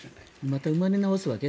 また生まれ直すわけ？